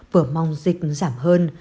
vừa mong dịch giảm hơn